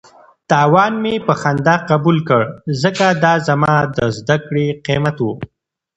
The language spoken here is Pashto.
تاوان مې په خندا قبول کړ ځکه دا زما د زده کړې قیمت و.